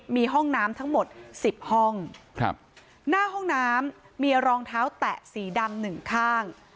มีห้องน้ำทั้งหมดสิบห้องครับหน้าห้องน้ำมีรองเท้าแตะสีดำหนึ่งข้าง